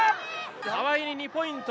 川井に２ポイント。